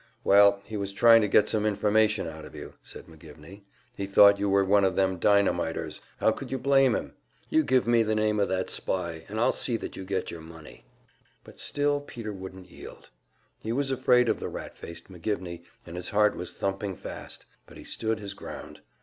"Well, he was trying to get some information out of you," said McGivney. "He thought you were one of them dynamiters how could you blame him? You give me the name of that spy, and I'll see you get your money." But still Peter wouldn't yield. He was afraid of the rat faced McGivney, and his heart was thumping fast, but he stood his ground.